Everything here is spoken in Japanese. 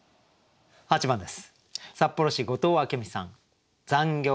８番です。